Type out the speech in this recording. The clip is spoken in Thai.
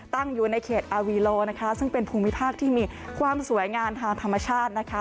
ตั้งอยู่ในเขตอาวีโลนะคะซึ่งเป็นภูมิภาคที่มีความสวยงามทางธรรมชาตินะคะ